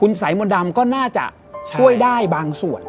สายมนต์ดำก็น่าจะช่วยได้บางส่วน